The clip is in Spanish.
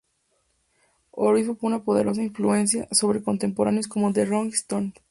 Orbison fue una poderosa influencia sobre contemporáneos como The Rolling Stones.